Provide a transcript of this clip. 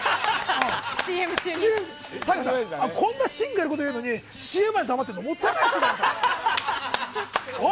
こんな芯を食ったこと言うのにＣＭまで黙ってるのもったいないですよ。